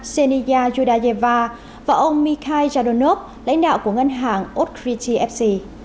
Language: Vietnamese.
senia yudayeva và ông mikhail yadonov lãnh đạo của ngân hàng odgrity fc